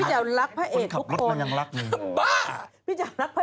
พี่แจ๋วรักพระเอกทุกคนในโลกนี้